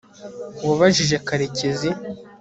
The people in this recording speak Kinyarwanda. wabajije karekezi